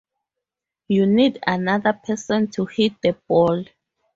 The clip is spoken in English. You need another person to hit the ball.